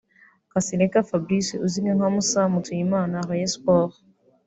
Kasereka Fabrice uzwi nka Moussa Mutuyimana (Rayon Sports)